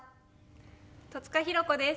戸塚寛子です。